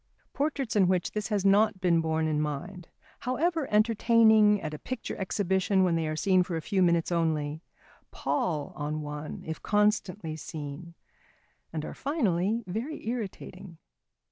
Portraits in which this has not been borne in mind, however entertaining at a picture exhibition, when they are seen for a few moments only, pall on one if constantly seen, and are finally very irritating.